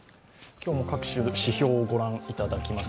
今日も各種指標を御覧いただきます。